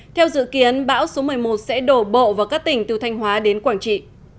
theo dự kiến bão số một mươi một sẽ đổ bộ vào các tỉnh từ thanh hóa đến quảng trị